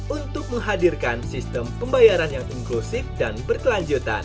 untuk menghadirkan sistem pembayaran yang inklusif dan berkelanjutan